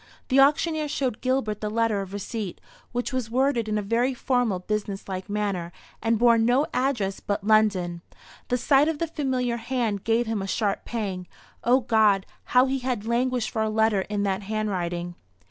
The auctioneer showed Gilbert the letter of receipt, which was worded in a very formal business like manner, and bore no address but "London." The sight of the familiar hand gave him a sharp pang. O God, how he had languished for a letter in that handwriting!